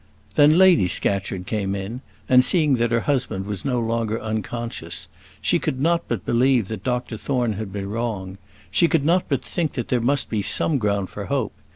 Then Lady Scatcherd came in, and seeing that her husband was no longer unconscious, she could not but believe that Dr Thorne had been wrong; she could not but think that there must be some ground for hope.